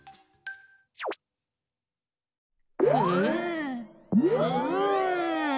ふっふっ。